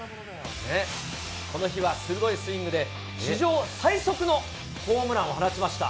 この日は鋭いスイングで、史上最速のホームランを放ちました。